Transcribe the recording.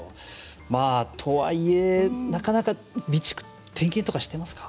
とはいえ、なかなか備蓄の点検とかしてますか？